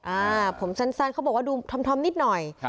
อ่าผมสั้นเขาบอกว่าดูธอมนิดหน่อย